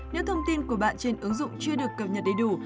nếu thông tin của bạn trên ứng dụng chưa được cập nhật đầy đủ